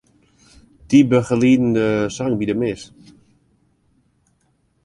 Dy begelieden de sang by de mis.